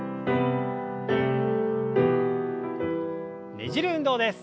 ねじる運動です。